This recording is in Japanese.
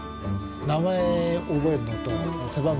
名前覚えるのと背番号覚えるの。